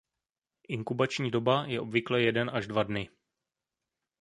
Inkubační doba je obvykle jeden až dva dny.